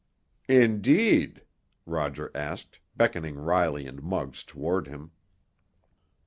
"Indeed?" Roger asked, beckoning Riley and Muggs toward him.